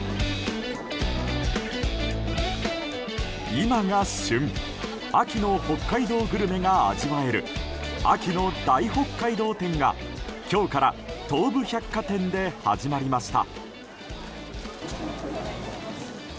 今が旬秋の北海道グルメが味わえる秋の大北海道展が、今日から東武百貨店で始まりました。